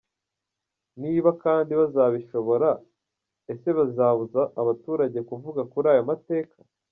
Niba kandi bazabishobora ese bazabuza abaturage kuvuga kuri ayo mateka?.